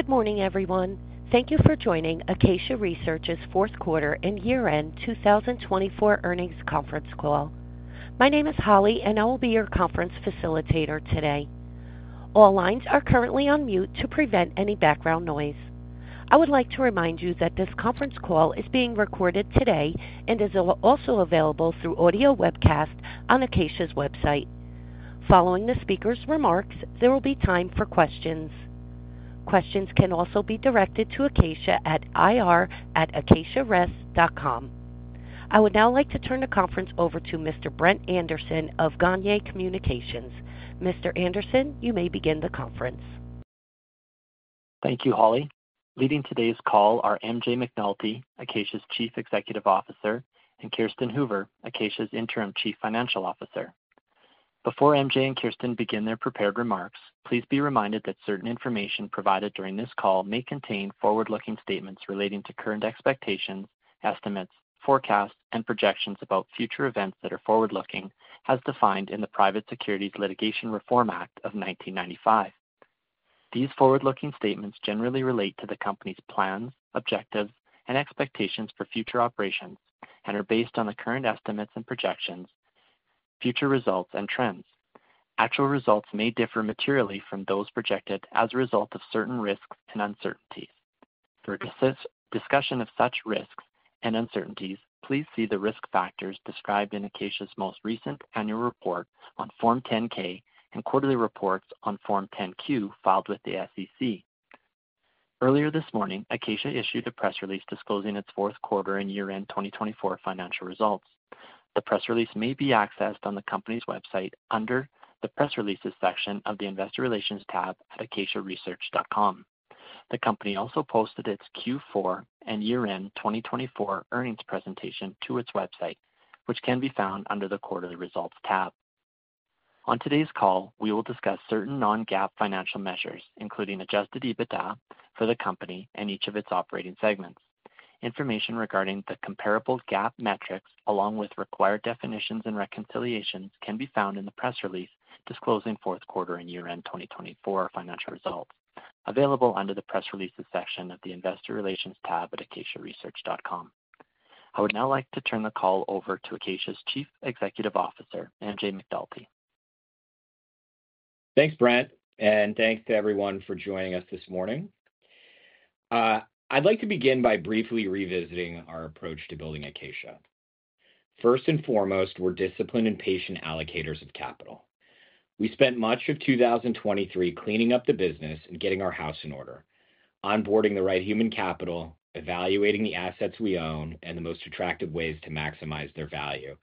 Good morning, everyone. Thank you for joining Acacia Research's fourth quarter and year-end 2024 earnings conference call. My name is Holly, and I will be your conference facilitator today. All lines are currently on mute to prevent any background noise. I would like to remind you that this conference call is being recorded today and is also available through audio webcast on Acacia's website. Following the speaker's remarks, there will be time for questions. Questions can also be directed to ir@acaciaresearch.com. I would now like to turn the conference over to Mr. Brent Anderson of Gagnier Communications. Mr. Anderson, you may begin the conference. Thank you, Holly. Leading today's call are MJ McNulty, Acacia's Chief Executive Officer, and Kirsten Hoover, Acacia's Interim Chief Financial Officer. Before MJ and Kirsten begin their prepared remarks, please be reminded that certain information provided during this call may contain forward-looking statements relating to current expectations, estimates, forecasts, and projections about future events that are forward-looking, as defined in the Private Securities Litigation Reform Act of 1995. These forward-looking statements generally relate to the company's plans, objectives, and expectations for future operations and are based on the current estimates and projections, future results, and trends. Actual results may differ materially from those projected as a result of certain risks and uncertainties. For discussion of such risks and uncertainties, please see the risk factors described in Acacia's most recent annual report on Form 10-K and quarterly reports on Form 10-Q filed with the SEC. Earlier this morning, Acacia issued a press release disclosing its fourth quarter and year-end 2024 financial results. The press release may be accessed on the company's website under the Press Releases section of the Investor Relations tab at acaciaresearch.com. The company also posted its Q4 and year-end 2024 earnings presentation to its website, which can be found under the Quarterly Results tab. On today's call, we will discuss certain non-GAAP financial measures, including adjusted EBITDA for the company and each of its operating segments. Information regarding the comparable GAAP metrics, along with required definitions and reconciliations, can be found in the press release disclosing fourth quarter and year-end 2024 financial results, available under the Press Releases section of the Investor Relations tab at acaciaresearch.com. I would now like to turn the call over to Acacia's Chief Executive Officer, MJ McNulty. Thanks, Brent, and thanks to everyone for joining us this morning. I'd like to begin by briefly revisiting our approach to building Acacia. First and foremost, we're disciplined and patient allocators of capital. We spent much of 2023 cleaning up the business and getting our house in order, onboarding the right human capital, evaluating the assets we own and the most attractive ways to maximize their value,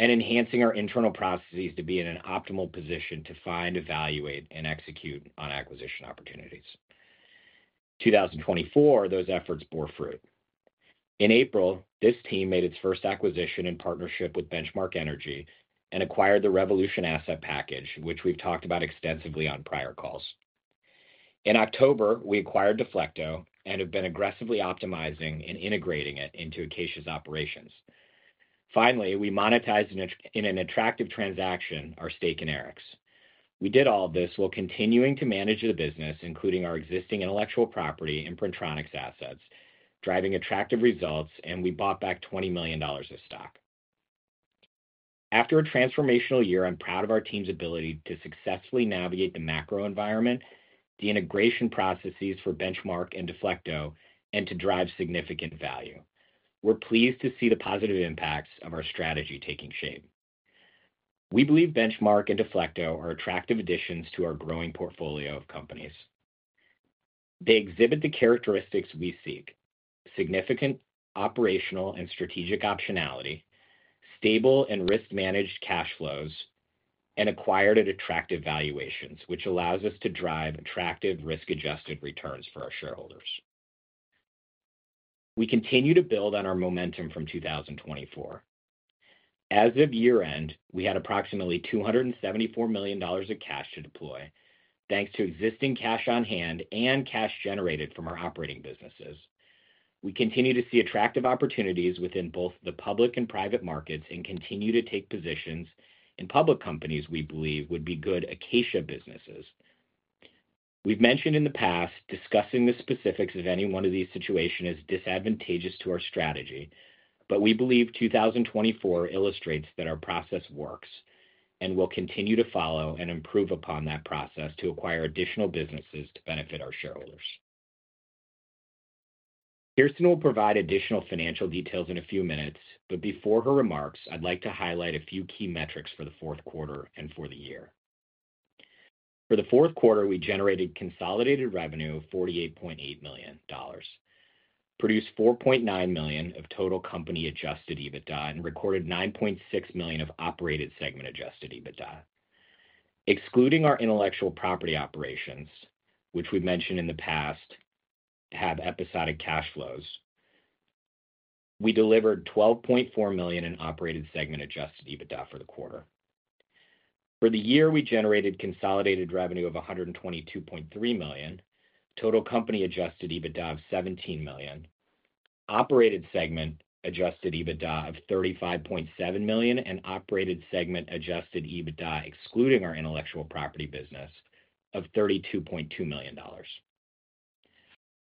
and enhancing our internal processes to be in an optimal position to find, evaluate, and execute on acquisition opportunities. In 2024, those efforts bore fruit. In April, this team made its first acquisition in partnership with Benchmark Energy and acquired the Revolution Asset Package, which we've talked about extensively on prior calls. In October, we acquired Deflecto and have been aggressively optimizing and integrating it into Acacia's operations. Finally, we monetized in an attractive transaction our stake in Arix. We did all this while continuing to manage the business, including our existing intellectual property and Printronix assets, driving attractive results, and we bought back $20 million of stock. After a transformational year, I'm proud of our team's ability to successfully navigate the macro environment, the integration processes for Benchmark and Deflecto, and to drive significant value. We're pleased to see the positive impacts of our strategy taking shape. We believe Benchmark and Deflecto are attractive additions to our growing portfolio of companies. They exhibit the characteristics we seek: significant operational and strategic optionality, stable and risk-managed cash flows, and acquired at attractive valuations, which allows us to drive attractive risk-adjusted returns for our shareholders. We continue to build on our momentum from 2024. As of year-end, we had approximately $274 million of cash to deploy, thanks to existing cash on hand and cash generated from our operating businesses. We continue to see attractive opportunities within both the public and private markets and continue to take positions in public companies we believe would be good Acacia businesses. We've mentioned in the past discussing the specifics of any one of these situations as disadvantageous to our strategy, but we believe 2024 illustrates that our process works and will continue to follow and improve upon that process to acquire additional businesses to benefit our shareholders. Kirsten will provide additional financial details in a few minutes, but before her remarks, I'd like to highlight a few key metrics for the fourth quarter and for the year. For the fourth quarter, we generated consolidated revenue of $48.8 million, produced $4.9 million of total company adjusted EBITDA, and recorded $9.6 million of operated segment adjusted EBITDA. Excluding our intellectual property operations, which we've mentioned in the past have episodic cash flows, we delivered $12.4 million in operated segment adjusted EBITDA for the quarter. For the year, we generated consolidated revenue of $122.3 million, total company adjusted EBITDA of $17 million, operated segment adjusted EBITDA of $35.7 million, and operated segment adjusted EBITDA, excluding our intellectual property business, of $32.2 million.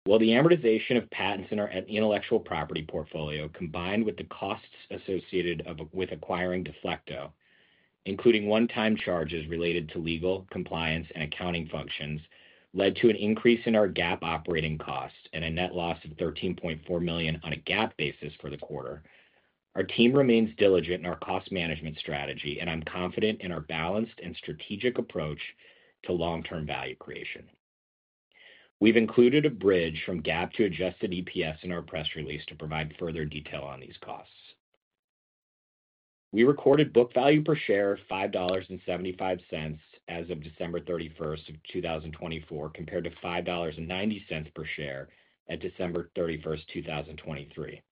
While the amortization of patents in our intellectual property portfolio, combined with the costs associated with acquiring Deflecto, including one-time charges related to legal, compliance, and accounting functions, led to an increase in our GAAP operating cost and a net loss of $13.4 million on a GAAP basis for the quarter, our team remains diligent in our cost management strategy, and I'm confident in our balanced and strategic approach to long-term value creation. We've included a bridge from GAAP to adjusted EPS in our press release to provide further detail on these costs. We recorded book value per share of $5.75 as of December 31, 2024, compared to $5.90 per share at December 31, 2023.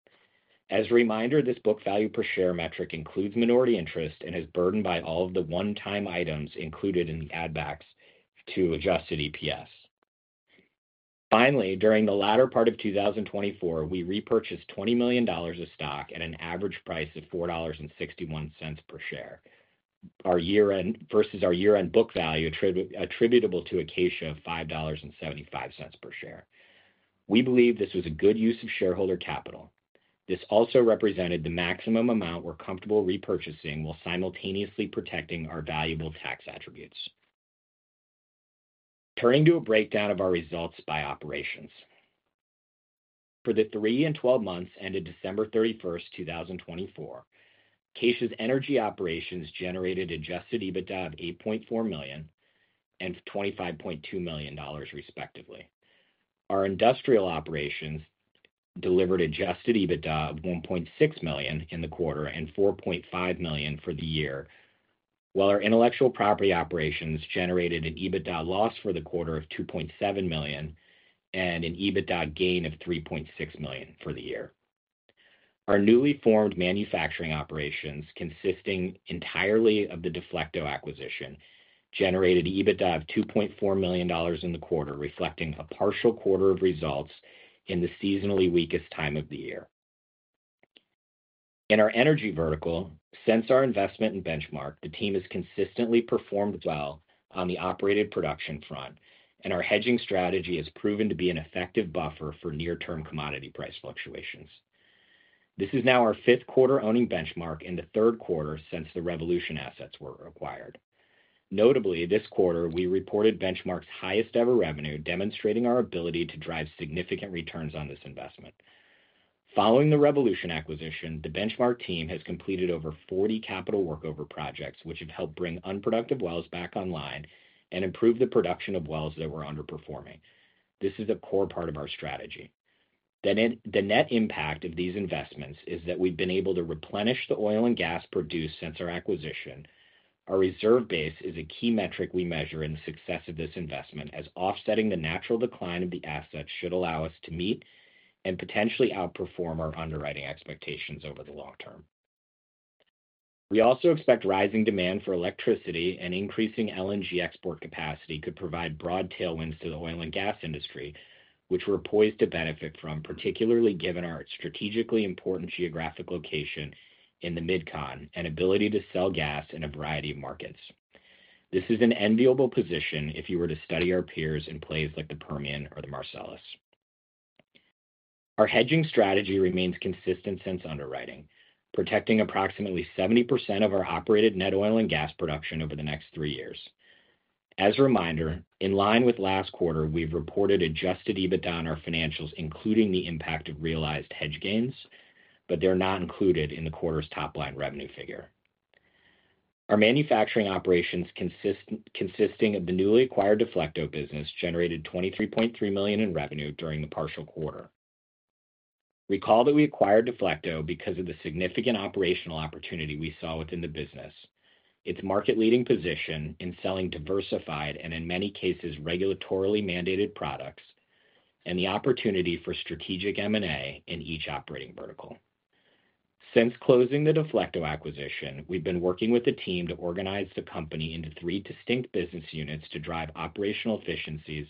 As a reminder, this book value per share metric includes minority interest and is burdened by all of the one-time items included in the add-backs to adjusted EPS. Finally, during the latter part of 2024, we repurchased $20 million of stock at an average price of $4.61 per share, versus our year-end book value attributable to Acacia of $5.75 per share. We believe this was a good use of shareholder capital. This also represented the maximum amount we're comfortable repurchasing while simultaneously protecting our valuable tax attributes. Turning to a breakdown of our results by operations, for the three and 12 months ended December 31, 2024, Acacia's energy operations generated adjusted EBITDA of $8.4 million and $25.2 million, respectively. Our industrial operations delivered adjusted EBITDA of $1.6 million in the quarter and $4.5 million for the year, while our intellectual property operations generated an EBITDA loss for the quarter of $2.7 million and an EBITDA gain of $3.6 million for the year. Our newly formed manufacturing operations, consisting entirely of the Deflecto acquisition, generated EBITDA of $2.4 million in the quarter, reflecting a partial quarter of results in the seasonally weakest time of the year. In our energy vertical, since our investment in Benchmark, the team has consistently performed well on the operated production front, and our hedging strategy has proven to be an effective buffer for near-term commodity price fluctuations. This is now our fifth quarter owning Benchmark in the third quarter since the Revolution assets were acquired. Notably, this quarter, we reported Benchmark's highest-ever revenue, demonstrating our ability to drive significant returns on this investment. Following the Revolution acquisition, the Benchmark team has completed over 40 capital workover projects, which have helped bring unproductive wells back online and improve the production of wells that were underperforming. This is a core part of our strategy. The net impact of these investments is that we've been able to replenish the oil and gas produced since our acquisition. Our reserve base is a key metric we measure in the success of this investment, as offsetting the natural decline of the assets should allow us to meet and potentially outperform our underwriting expectations over the long term. We also expect rising demand for electricity and increasing LNG export capacity could provide broad tailwinds to the oil and gas industry, which we're poised to benefit from, particularly given our strategically important geographic location in the Midcon and ability to sell gas in a variety of markets. This is an enviable position if you were to study our peers in plays like the Permian or the Marcellus. Our hedging strategy remains consistent since underwriting, protecting approximately 70% of our operated net oil and gas production over the next three years. As a reminder, in line with last quarter, we've reported adjusted EBITDA on our financials, including the impact of realized hedge gains, but they're not included in the quarter's top-line revenue figure. Our manufacturing operations, consisting of the newly acquired Deflecto business, generated $23.3 million in revenue during the partial quarter. Recall that we acquired Deflecto because of the significant operational opportunity we saw within the business, its market-leading position in selling diversified and, in many cases, regulatorily mandated products, and the opportunity for strategic M&A in each operating vertical. Since closing the Deflecto acquisition, we've been working with the team to organize the company into three distinct business units to drive operational efficiencies,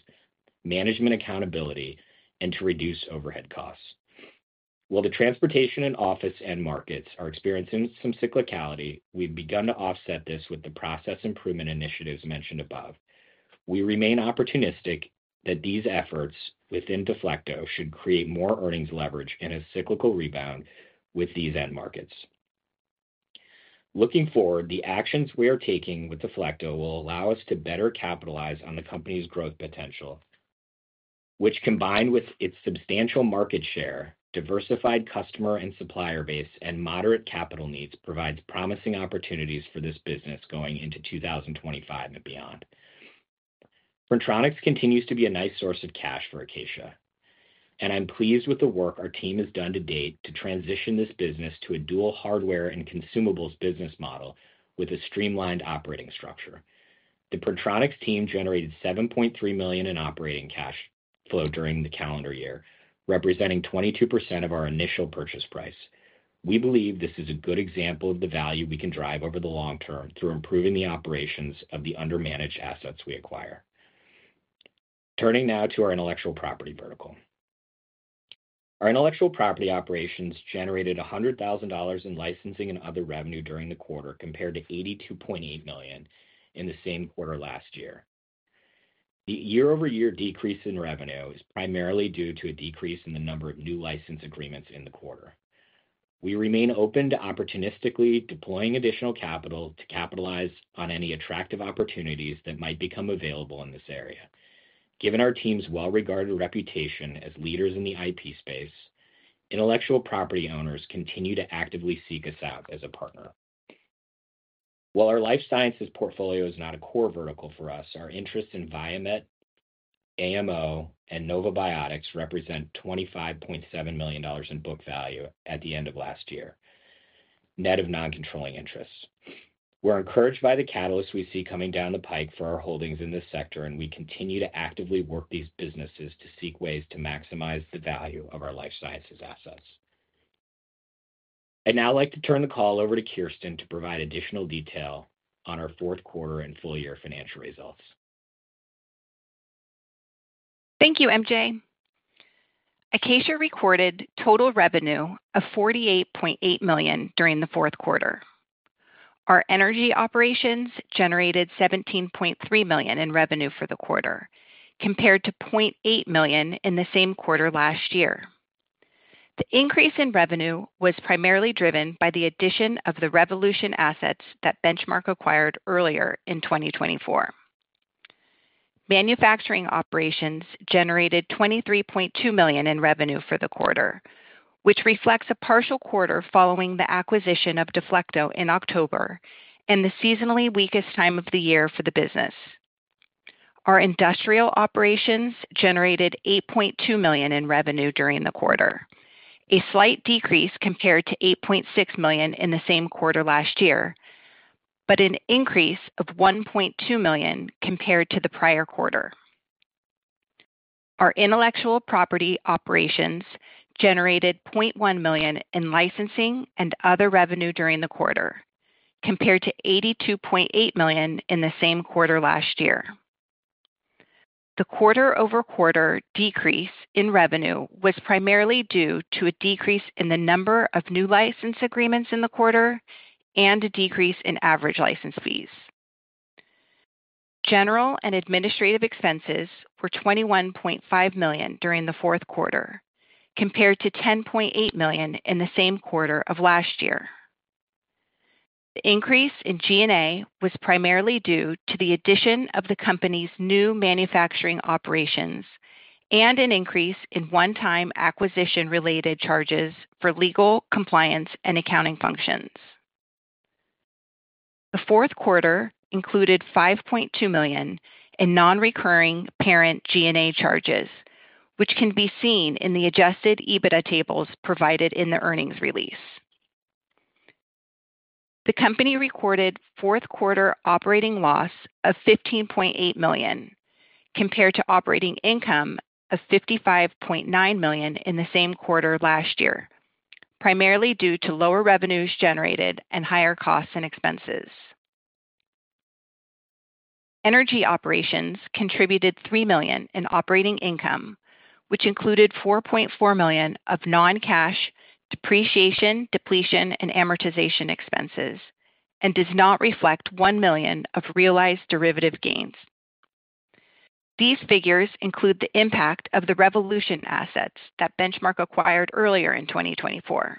management accountability, and to reduce overhead costs. While the transportation and office end markets are experiencing some cyclicality, we've begun to offset this with the process improvement initiatives mentioned above. We remain opportunistic that these efforts within Deflecto should create more earnings leverage and a cyclical rebound with these end markets. Looking forward, the actions we are taking with Deflecto will allow us to better capitalize on the company's growth potential, which, combined with its substantial market share, diversified customer and supplier base, and moderate capital needs, provides promising opportunities for this business going into 2025 and beyond. Printronix continues to be a nice source of cash for Acacia, and I'm pleased with the work our team has done to date to transition this business to a dual hardware and consumables business model with a streamlined operating structure. The Printronix team generated $7.3 million in operating cash flow during the calendar year, representing 22% of our initial purchase price. We believe this is a good example of the value we can drive over the long term through improving the operations of the undermanaged assets we acquire. Turning now to our intellectual property vertical, our intellectual property operations generated $100,000 in licensing and other revenue during the quarter, compared to $82.8 million in the same quarter last year. The year-over-year decrease in revenue is primarily due to a decrease in the number of new license agreements in the quarter. We remain open to opportunistically deploying additional capital to capitalize on any attractive opportunities that might become available in this area. Given our team's well-regarded reputation as leaders in the IP space, intellectual property owners continue to actively seek us out as a partner. While our life sciences portfolio is not a core vertical for us, our interests in Viamet, AMO, and NovaBiotics represent $25.7 million in book value at the end of last year, net of non-controlling interests. We're encouraged by the catalysts we see coming down the pike for our holdings in this sector, and we continue to actively work these businesses to seek ways to maximize the value of our life sciences assets. I'd now like to turn the call over to Kirsten to provide additional detail on our fourth quarter and full-year financial results. Thank you, MJ. Acacia recorded total revenue of $48.8 million during the fourth quarter. Our energy operations generated $17.3 million in revenue for the quarter, compared to $0.8 million in the same quarter last year. The increase in revenue was primarily driven by the addition of the Revolution assets that Benchmark acquired earlier in 2024. Manufacturing operations generated $23.2 million in revenue for the quarter, which reflects a partial quarter following the acquisition of Deflecto in October and the seasonally weakest time of the year for the business. Our industrial operations generated $8.2 million in revenue during the quarter, a slight decrease compared to $8.6 million in the same quarter last year, but an increase of $1.2 million compared to the prior quarter. Our intellectual property operations generated $0.1 million in licensing and other revenue during the quarter, compared to $82.8 million in the same quarter last year. The quarter-over-quarter decrease in revenue was primarily due to a decrease in the number of new license agreements in the quarter and a decrease in average license fees. General and administrative expenses were $21.5 million during the fourth quarter, compared to $10.8 million in the same quarter of last year. The increase in G&A was primarily due to the addition of the company's new manufacturing operations and an increase in one-time acquisition-related charges for legal, compliance, and accounting functions. The fourth quarter included $5.2 million in non-recurring parent G&A charges, which can be seen in the adjusted EBITDA tables provided in the earnings release. The company recorded fourth quarter operating loss of $15.8 million, compared to operating income of $55.9 million in the same quarter last year, primarily due to lower revenues generated and higher costs and expenses. Energy operations contributed $3 million in operating income, which included $4.4 million of non-cash depreciation, depletion, and amortization expenses, and does not reflect $1 million of realized derivative gains. These figures include the impact of the Revolution assets that Benchmark acquired earlier in 2024.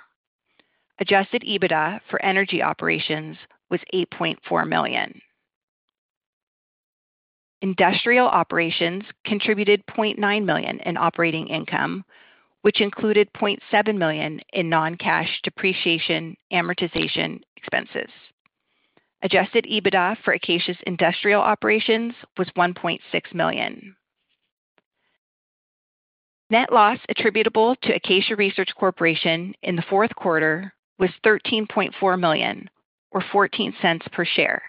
Adjusted EBITDA for energy operations was $8.4 million. Industrial operations contributed $0.9 million in operating income, which included $0.7 million in non-cash depreciation, amortization expenses. Adjusted EBITDA for Acacia's industrial operations was $1.6 million. Net loss attributable to Acacia Research in the fourth quarter was $13.4 million, or $0.14 per share,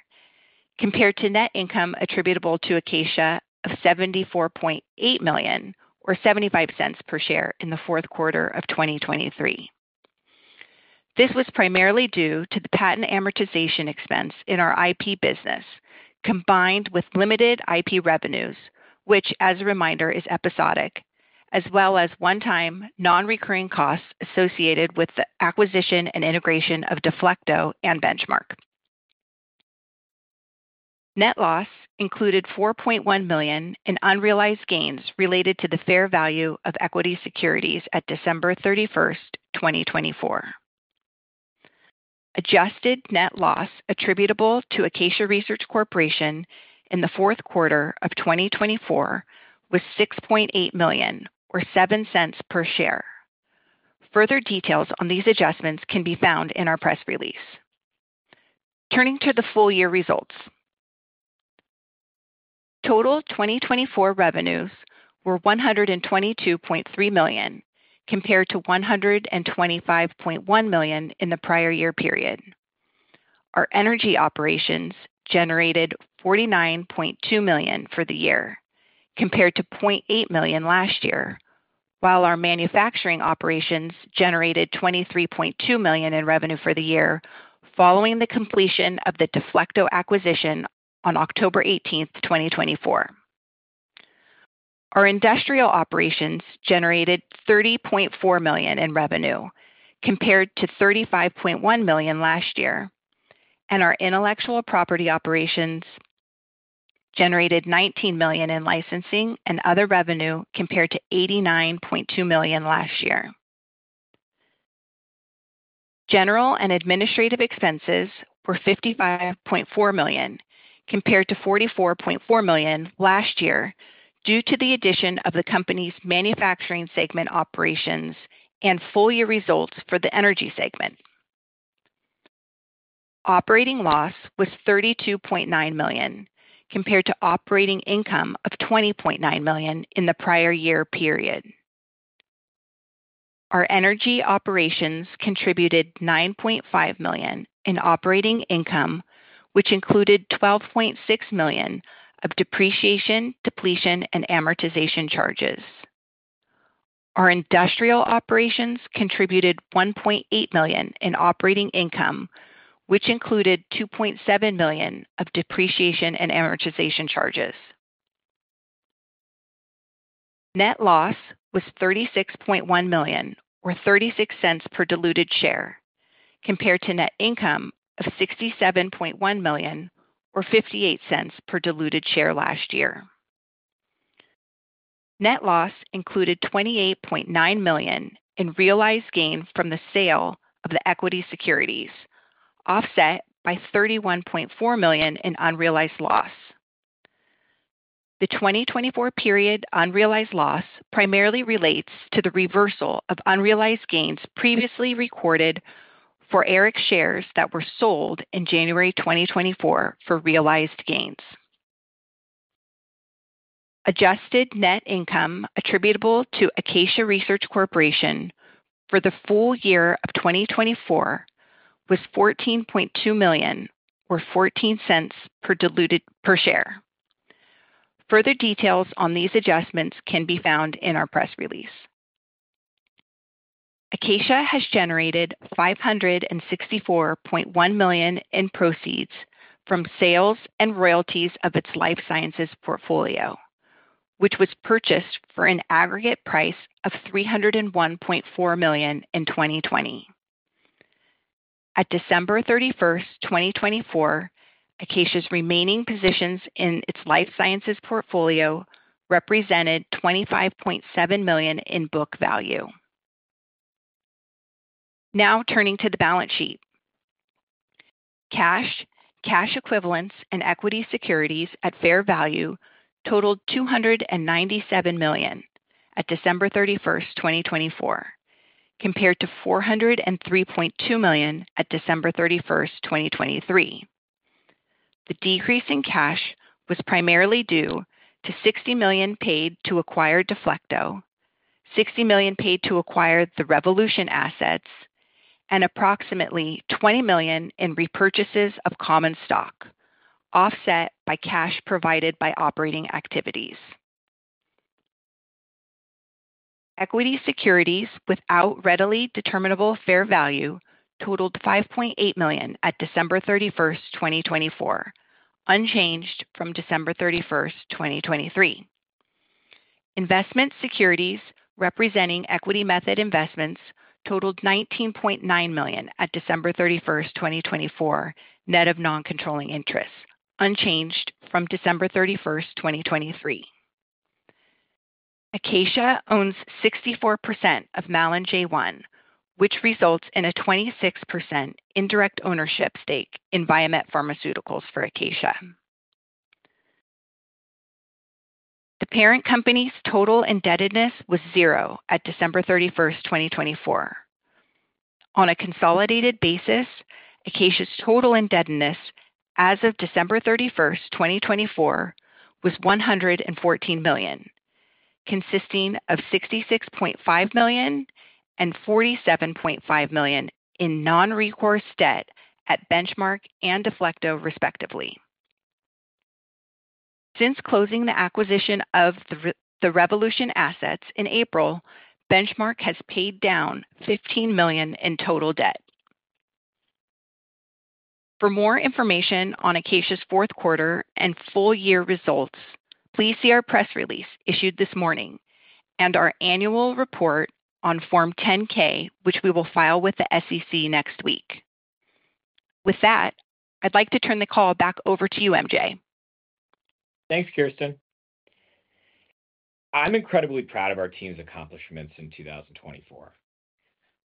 compared to net income attributable to Acacia of $74.8 million, or $0.75 per share in the fourth quarter of 2023. This was primarily due to the patent amortization expense in our IP business, combined with limited IP revenues, which, as a reminder, is episodic, as well as one-time non-recurring costs associated with the acquisition and integration of Deflecto and Benchmark. Net loss included $4.1 million in unrealized gains related to the fair value of equity securities at December 31, 2024. Adjusted net loss attributable to Acacia Research in the fourth quarter of 2024 was $6.8 million, or $0.07 per share. Further details on these adjustments can be found in our press release. Turning to the full-year results, total 2024 revenues were $122.3 million, compared to $125.1 million in the prior year period. Our energy operations generated $49.2 million for the year, compared to $0.8 million last year, while our manufacturing operations generated $23.2 million in revenue for the year following the completion of the Deflecto acquisition on October 18, 2024. Our industrial operations generated $30.4 million in revenue, compared to $35.1 million last year, and our intellectual property operations generated $19 million in licensing and other revenue, compared to $89.2 million last year. General and administrative expenses were $55.4 million, compared to $44.4 million last year due to the addition of the company's manufacturing segment operations and full-year results for the energy segment. Operating loss was $32.9 million, compared to operating income of $20.9 million in the prior year period. Our energy operations contributed $9.5 million in operating income, which included $12.6 million of depreciation, depletion, and amortization charges. Our industrial operations contributed $1.8 million in operating income, which included $2.7 million of depreciation and amortization charges. Net loss was $36.1 million, or $0.36 per diluted share, compared to net income of $67.1 million, or $0.58 per diluted share last year. Net loss included $28.9 million in realized gain from the sale of the equity securities, offset by $31.4 million in unrealized loss. The 2024 period unrealized loss primarily relates to the reversal of unrealized gains previously recorded for Arix shares that were sold in January 2024 for realized gains. Adjusted net income attributable to Acacia Research for the full year of 2024 was $14.2 million, or $0.14 per diluted share. Further details on these adjustments can be found in our press release. Acacia has generated $564.1 million in proceeds from sales and royalties of its life sciences portfolio, which was purchased for an aggregate price of $301.4 million in 2020. At December 31, 2024, Acacia's remaining positions in its life sciences portfolio represented $25.7 million in book value. Now turning to the balance sheet, cash, cash equivalents, and equity securities at fair value totaled $297 million at December 31, 2024, compared to $403.2 million at December 31, 2023. The decrease in cash was primarily due to $60 million paid to acquire Deflecto, $60 million paid to acquire the Revolution assets, and approximately $20 million in repurchases of common stock, offset by cash provided by operating activities. Equity securities without readily determinable fair value totaled $5.8 million at December 31, 2024, unchanged from December 31, 2023. Investment securities representing equity method investments totaled $19.9 million at December 31, 2024, net of non-controlling interest, unchanged from December 31, 2023. Acacia owns 64% of MalinJ1 Thanks, Kirsten. I'm incredibly proud of our team's accomplishments in 2024.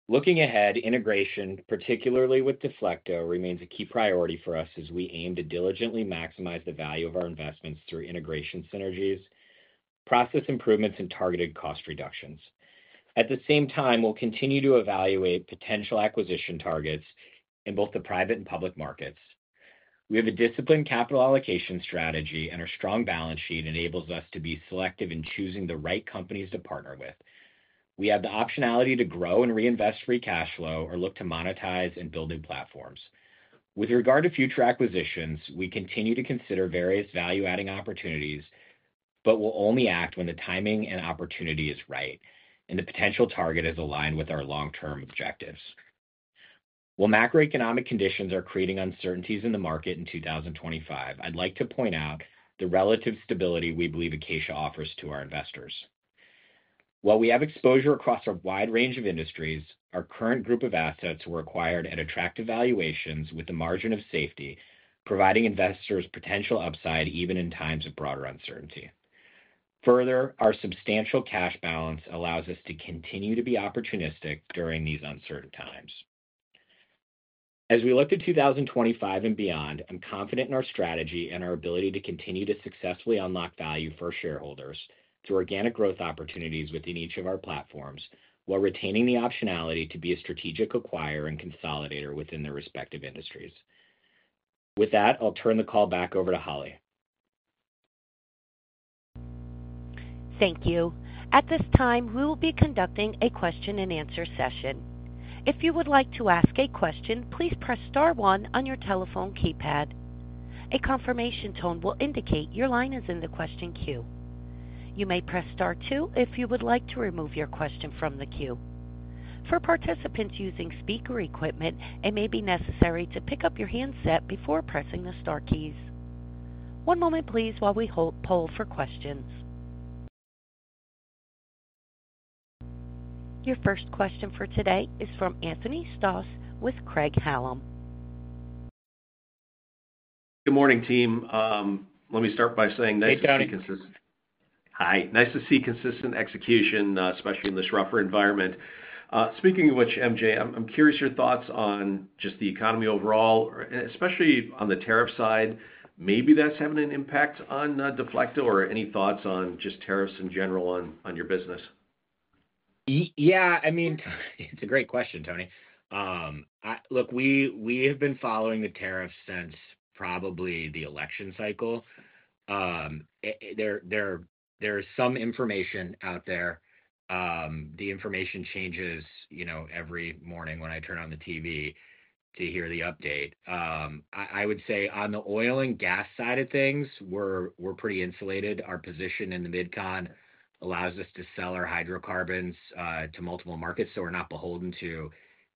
Looking ahead, integration, particularly with Deflecto, remains a key priority for us as we aim to diligently maximize the value of our investments through integration synergies, process improvements, and targeted cost reductions. At the same time, we'll continue to evaluate potential acquisition targets in both the private and public markets. We have a disciplined capital allocation strategy, and our strong balance sheet enables us to be selective in choosing the right companies to partner with. We have the optionality to grow and reinvest free cash flow or look to monetize and build new platforms. With regard to future acquisitions, we continue to consider various value-adding opportunities, but we'll only act when the timing and opportunity is right and the potential target is aligned with our long-term objectives. While macroeconomic conditions are creating uncertainties in the market in 2025, I'd like to point out the relative stability we believe Acacia offers to our investors. While we have exposure across a wide range of industries, our current group of assets were acquired at attractive valuations with a margin of safety, providing investors potential upside even in times of broader uncertainty. Further, our substantial cash balance allows us to continue to be opportunistic during these uncertain times. As we look to 2025 and beyond, I'm confident in our strategy and our ability to continue to successfully unlock value for shareholders through organic growth opportunities within each of our platforms while retaining the optionality to be a strategic acquirer and consolidator within their respective industries. With that, I'll turn the call back over to Holly. Thank you. At this time, we will be conducting a question-and-answer session. If you would like to ask a question, please press star one on your telephone keypad. A confirmation tone will indicate your line is in the question queue. You may press star two if you would like to remove your question from the queue. For participants using speaker equipment, it may be necessary to pick up your handset before pressing the star keys. One moment, please, while we hold poll for questions. Your first question for today is from Anthony Stoss with Craig-Hallum. Good morning, team. Let me start by saying nice to see consistent. Hi. Nice to see consistent execution, especially in this rougher environment. Speaking of which, MJ, I'm curious your thoughts on just the economy overall, especially on the tariff side. Maybe that's having an impact on Deflecto, or any thoughts on just tariffs in general on your business? Yeah. I mean, it's a great question, Tony. Look, we have been following the tariffs since probably the election cycle. There is some information out there. The information changes every morning when I turn on the TV to hear the update. I would say on the oil and gas side of things, we're pretty insulated. Our position in the Midcon allows us to sell our hydrocarbons to multiple markets, so we're not beholden to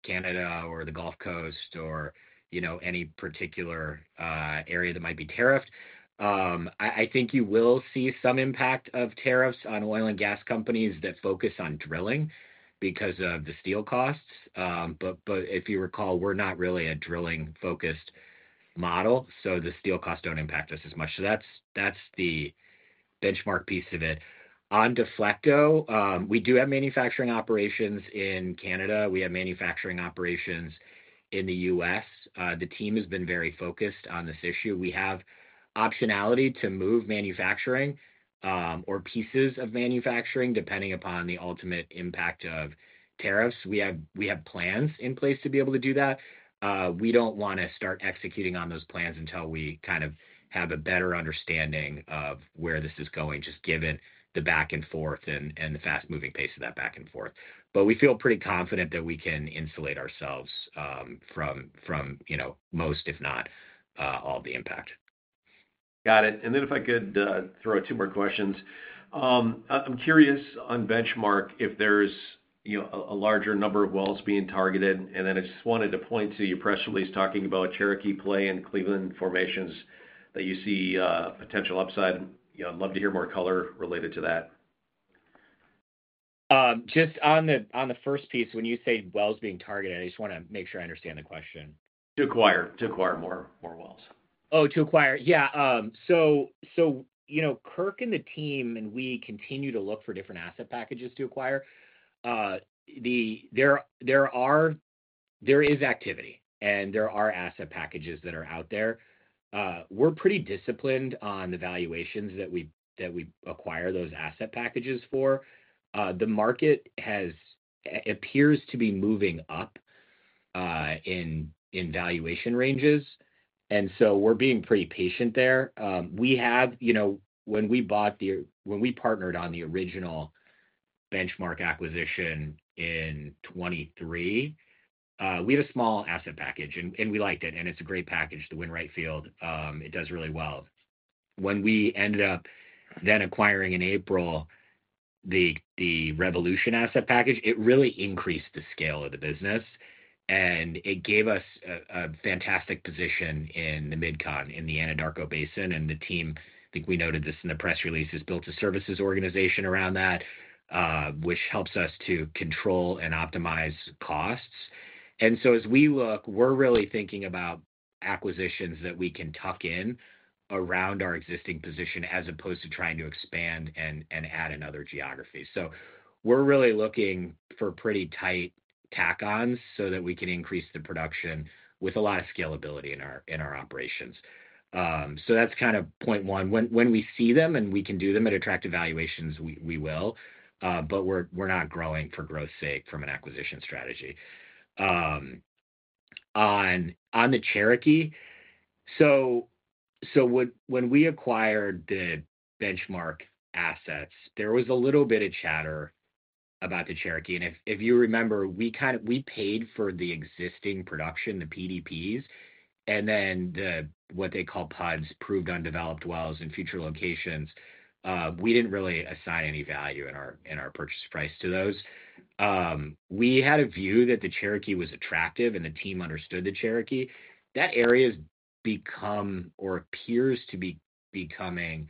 Canada or the Gulf Coast or any particular area that might be tariffed. I think you will see some impact of tariffs on oil and gas companies that focus on drilling because of the steel costs. If you recall, we're not really a drilling-focused model, so the steel costs don't impact us as much. That's the Benchmark piece of it. On Deflecto, we do have manufacturing operations in Canada. We have manufacturing operations in the U.S. The team has been very focused on this issue. We have optionality to move manufacturing or pieces of manufacturing depending upon the ultimate impact of tariffs. We have plans in place to be able to do that. We do not want to start executing on those plans until we kind of have a better understanding of where this is going, just given the back and forth and the fast-moving pace of that back and forth. We feel pretty confident that we can insulate ourselves from most, if not all, the impact. Got it. If I could throw two more questions. I am curious on Benchmark if there is a larger number of wells being targeted. I just wanted to point to your press release talking about Cherokee Play and Cleveland Formations that you see potential upside. I'd love to hear more color related to that. Just on the first piece, when you say wells being targeted, I just want to make sure I understand the question. To acquire more wells. Oh, to acquire. Yeah. Kirk and the team and we continue to look for different asset packages to acquire. There is activity, and there are asset packages that are out there. We're pretty disciplined on the valuations that we acquire those asset packages for. The market appears to be moving up in valuation ranges, and we're being pretty patient there. When we bought the, when we partnered on the original Benchmark acquisition in 2023, we had a small asset package, and we liked it. And it's a great package, the. It does really well. When we ended up then acquiring in April the Revolution asset package, it really increased the scale of the business, and it gave us a fantastic position in the Midcon in the Anadarko Basin. The team, I think we noted this in the press release, has built a services organization around that, which helps us to control and optimize costs. As we look, we're really thinking about acquisitions that we can tuck in around our existing position as opposed to trying to expand and add another geography. We're really looking for pretty tight tack-ons so that we can increase the production with a lot of scalability in our operations. That's kind of point one. When we see them and we can do them at attractive valuations, we will. We're not growing for growth's sake from an acquisition strategy. On the Cherokee, when we acquired the Benchmark assets, there was a little bit of chatter about the Cherokee. If you remember, we paid for the existing production, the PDPs, and then what they call PUDs, proved undeveloped wells in future locations. We did not really assign any value in our purchase price to those. We had a view that the Cherokee was attractive, and the team understood the Cherokee. That area has become or appears to be becoming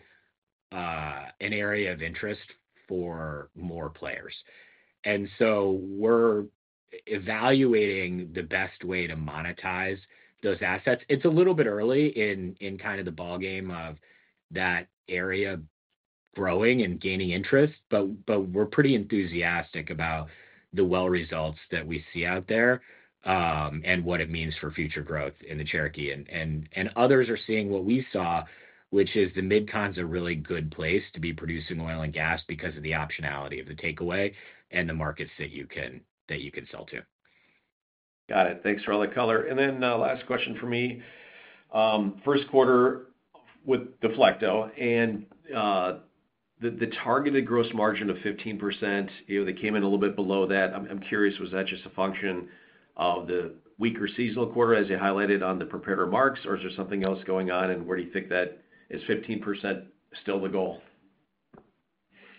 an area of interest for more players. We are evaluating the best way to monetize those assets. It is a little bit early in kind of the ballgame of that area growing and gaining interest, but we are pretty enthusiastic about the well results that we see out there and what it means for future growth in the Cherokee. Others are seeing what we saw, which is the mid-con's a really good place to be producing oil and gas because of the optionality of the takeaway and the markets that you can sell to. Got it. Thanks for all the color. Last question for me. First quarter with Deflecto, and the targeted gross margin of 15%, they came in a little bit below that. I'm curious, was that just a function of the weaker seasonal quarter, as you highlighted on the prepared remarks, or is there something else going on, and do you think that 15% is still the goal?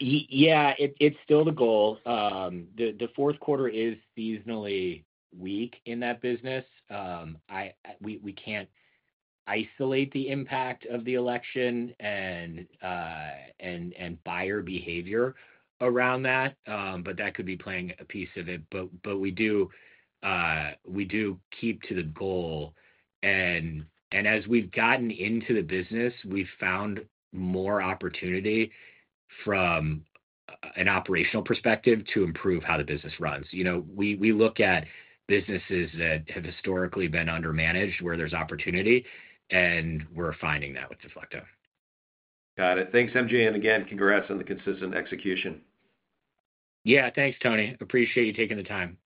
Yeah, it's still the goal. The fourth quarter is seasonally weak in that business. We can't isolate the impact of the election and buyer behavior around that, but that could be playing a piece of it. We do keep to the goal. As we have gotten into the business, we have found more opportunity from an operational perspective to improve how the business runs. We look at businesses that have historically been undermanaged where there is opportunity, and we are finding that with Deflecto. Got it. Thanks, MJ. And again, congrats on the consistent execution. Yeah. Thanks, Tony. Appreciate you taking the time.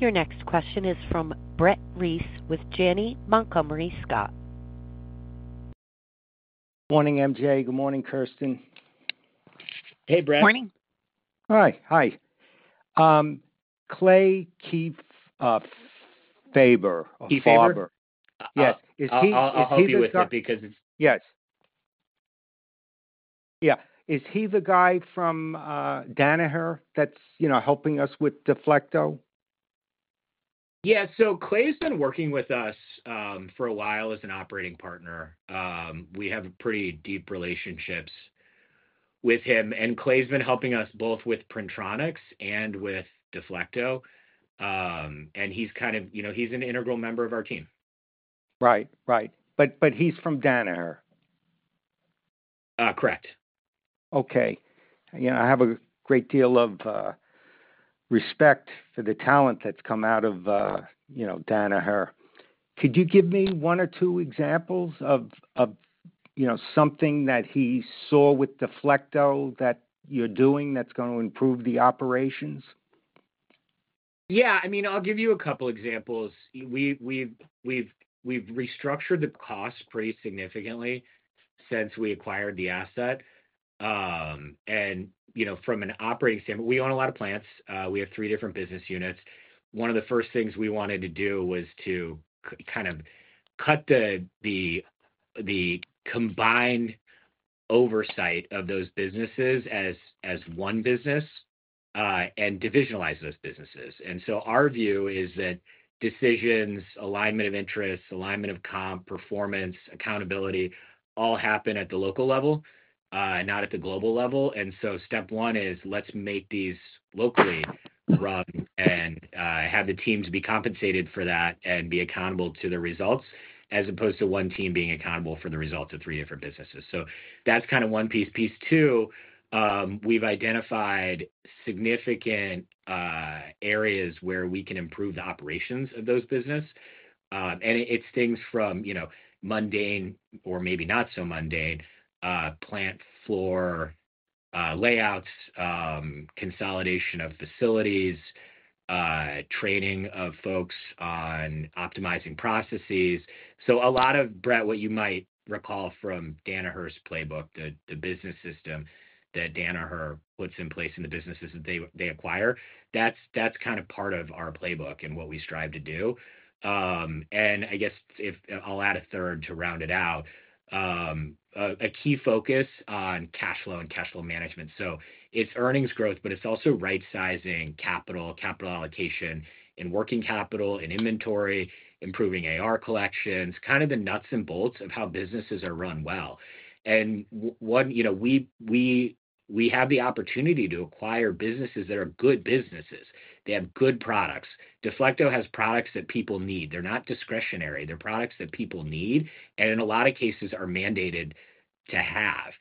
Your next question is from Brett Reiss with Janney Montgomery Scott. Good morning, MJ. Good morning, Kirsten. Hey, Brett. Morning. Hi. Hi. Clay Kiefaber. Yes. Is he the guy? Yes. Yeah. Is he the guy from Danaher that is helping us with Deflecto? Yeah. Clay has been working with us for a while as an operating partner. We have pretty deep relationships with him. Clay has been helping us both with Printronix and with Deflecto. He is an integral member of our team. Right. Right. But he's from Danaher? Correct. Okay. I have a great deal of respect for the talent that's come out of Danaher. Could you give me one or two examples of something that he saw with Deflecto that you're doing that's going to improve the operations? Yeah. I mean, I'll give you a couple of examples. We've restructured the cost pretty significantly since we acquired the asset. From an operating standpoint, we own a lot of plants. We have three different business units. One of the first things we wanted to do was to kind of cut the combined oversight of those businesses as one business and divisionalize those businesses. Our view is that decisions, alignment of interests, alignment of comp, performance, accountability all happen at the local level, not at the global level. Step one is let's make these locally run and have the teams be compensated for that and be accountable to the results as opposed to one team being accountable for the results of three different businesses. That's kind of one piece. Piece two, we've identified significant areas where we can improve the operations of those businesses. It's things from mundane or maybe not so mundane plant floor layouts, consolidation of facilities, training of folks on optimizing processes. A lot of, Brett, what you might recall from Danaher's playbook, the business system that Danaher puts in place in the businesses that they acquire, that's kind of part of our playbook and what we strive to do. I guess I'll add a third to round it out, a key focus on cash flow and cash flow management. It's earnings growth, but it's also right-sizing capital, capital allocation, and working capital and inventory, improving AR collections, kind of the nuts and bolts of how businesses are run well. We have the opportunity to acquire businesses that are good businesses. They have good products. Deflecto has products that people need. They're not discretionary. They're products that people need and in a lot of cases are mandated to have.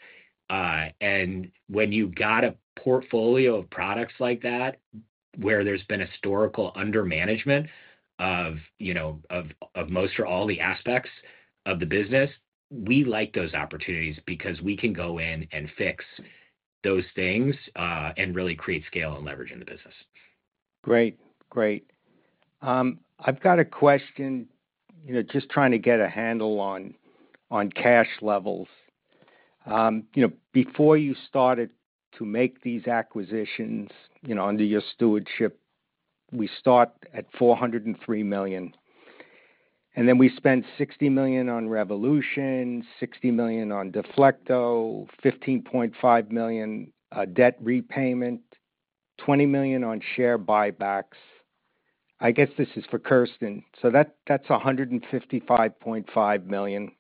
When you've got a portfolio of products like that where there's been historical undermanagement of most or all the aspects of the business, we like those opportunities because we can go in and fix those things and really create scale and leverage in the business. Great. Great. I've got a question just trying to get a handle on cash levels. Before you started to make these acquisitions under your stewardship, we start at $403 million. We spent $60 million on Revolution, $60 million on Deflecto, $15.5 million debt repayment, $20 million on share buybacks. I guess this is for Kirsten. That is $155.5 million.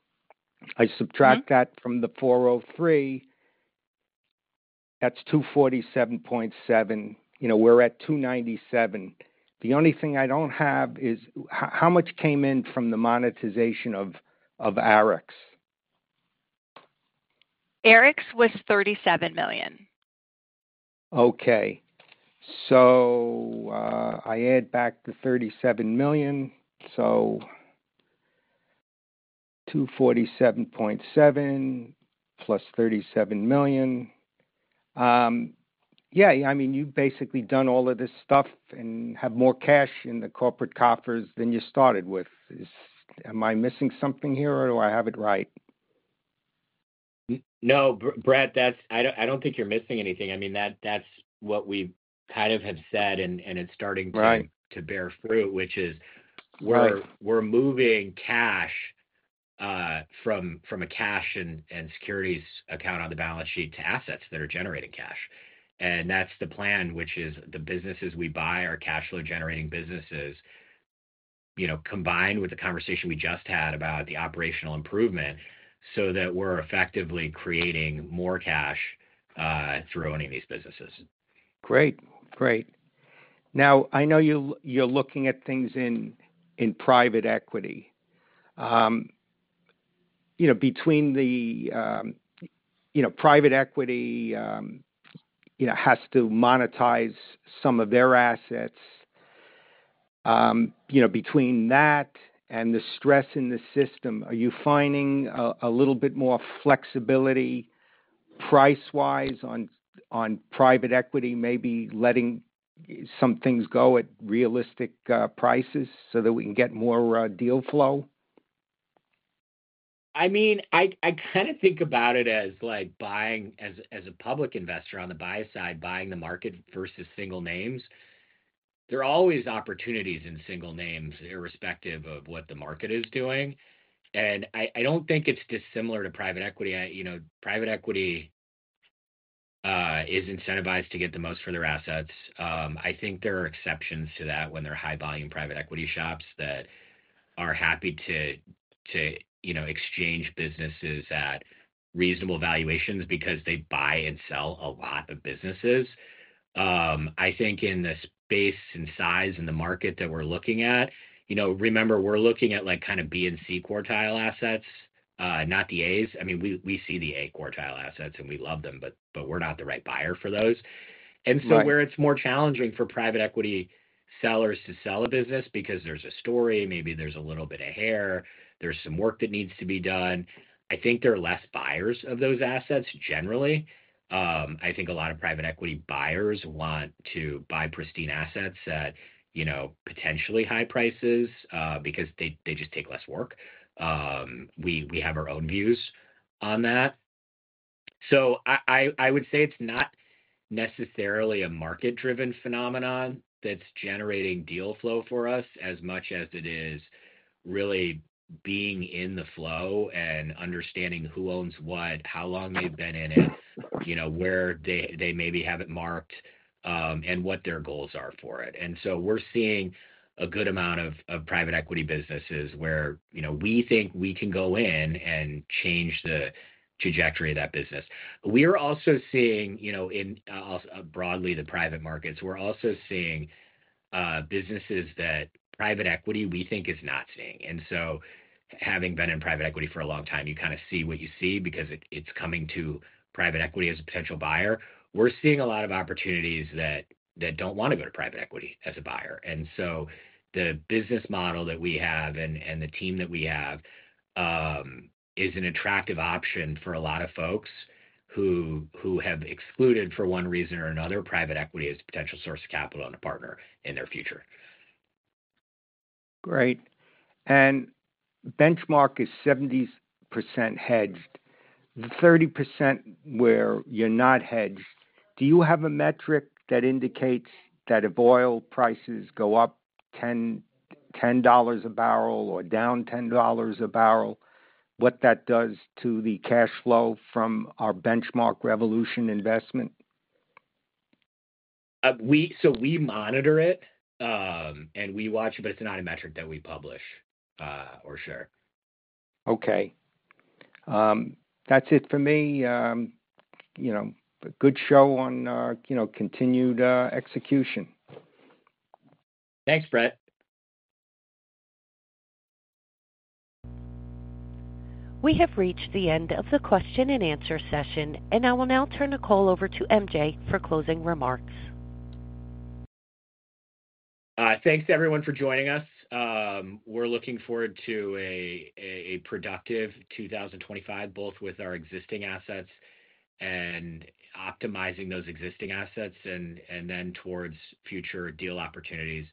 I subtract that from the $403 million, that is $247.7 million. We are at $297 million. The only thing I do not have is how much came in from the monetization of Arix? Arix was $37 million. Okay. I add back the $37 million. So $247.7 million plus $37 million. Yeah. I mean, you have basically done all of this stuff and have more cash in the corporate coffers than you started with. Am I missing something here, or do I have it right? No, Brett, I do not think you are missing anything. I mean, that's what we kind of have said, and it's starting to bear fruit, which is we're moving cash from a cash and securities account on the balance sheet to assets that are generating cash. That's the plan, which is the businesses we buy are cash flow generating businesses, combined with the conversation we just had about the operational improvement so that we're effectively creating more cash through owning these businesses. Great. Great. Now, I know you're looking at things in private equity. Between the private equity has to monetize some of their assets, between that and the stress in the system, are you finding a little bit more flexibility price-wise on private equity, maybe letting some things go at realistic prices so that we can get more deal flow? I mean, I kind of think about it as buying as a public investor on the buy side, buying the market versus single names. There are always opportunities in single names irrespective of what the market is doing. I do not think it's dissimilar to private equity. Private equity is incentivized to get the most for their assets. I think there are exceptions to that when they're high-volume private equity shops that are happy to exchange businesses at reasonable valuations because they buy and sell a lot of businesses. I think in the space and size and the market that we're looking at, remember, we're looking at kind of B and C quartile assets, not the As. I mean, we see the A quartile assets, and we love them, but we're not the right buyer for those. Where it's more challenging for private equity sellers to sell a business because there's a story, maybe there's a little bit of hair, there's some work that needs to be done, I think there are less buyers of those assets generally. I think a lot of private equity buyers want to buy pristine assets at potentially high prices because they just take less work. We have our own views on that. I would say it's not necessarily a market-driven phenomenon that's generating deal flow for us as much as it is really being in the flow and understanding who owns what, how long they've been in it, where they maybe have it marked, and what their goals are for it. We're seeing a good amount of private equity businesses where we think we can go in and change the trajectory of that business. We are also seeing in broadly the private markets, we're also seeing businesses that private equity we think is not seeing. Having been in private equity for a long time, you kind of see what you see because it's coming to private equity as a potential buyer. We're seeing a lot of opportunities that do not want to go to private equity as a buyer. The business model that we have and the team that we have is an attractive option for a lot of folks who have excluded for one reason or another private equity as a potential source of capital and a partner in their future. Great. Benchmark is 70% hedged. The 30% where you're not hedged, do you have a metric that indicates that if oil prices go up $10 a barrel or down $10 a barrel, what that does to the cash flow from our Benchmark Energy investment? We monitor it and we watch it, but it's not a metric that we publish or share. Okay. That's it for me. Good show on continued execution. Thanks, Brett. We have reached the end of the question and answer session, and I will now turn the call over to MJ for closing remarks. Thanks, everyone, for joining us. We're looking forward to a productive 2025, both with our existing assets and optimizing those existing assets and then towards future deal opportunities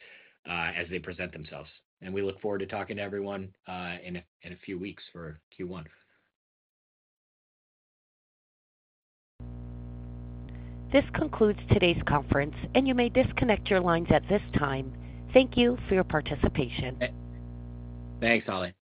as they present themselves. We look forward to talking to everyone in a few weeks for Q1. This concludes today's conference, and you may disconnect your lines at this time. Thank you for your participation. Thanks, Holly.